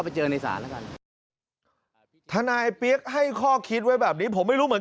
ไปเจอในศาลแล้วกันทนายเปี๊ยกให้ข้อคิดไว้แบบนี้ผมไม่รู้เหมือน